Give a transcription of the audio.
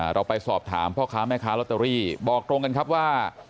เราไปสอบถามพ่อค้าแม่ค้าลอตเตอรี่บอกตรงกันครับว่า